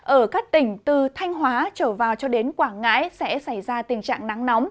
ở các tỉnh từ thanh hóa trở vào cho đến quảng ngãi sẽ xảy ra tình trạng nắng nóng